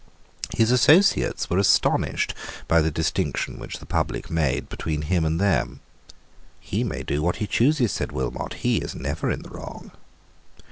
His associates were astonished by the distinction which the public made between him and them. "He may do what he chooses," said Wilmot; "he is never in the wrong."